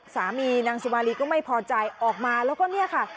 นางสุมารีก็ไม่พอใจออกมาแล้วก็เนี่ยค่ะ